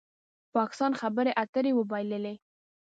پاکستان خبرې اترې وبایللې